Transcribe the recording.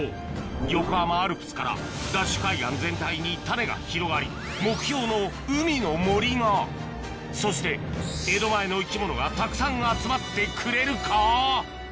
横浜アルプスからＤＡＳＨ海岸全体にタネが広がり目標の海の森がそして江戸前の生き物がたくさん集まってくれるか？